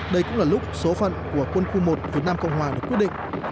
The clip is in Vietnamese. đây cũng là lúc số phận của quân khu một việt nam cộng hòa được quyết định